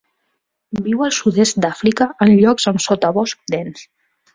Viu al sud-est d'Àfrica en llocs amb sotabosc dens.